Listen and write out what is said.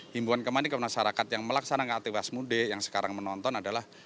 himpuan kemah ini kepada masyarakat yang melaksanakan aktivitas mudik yang sekarang menonton adalah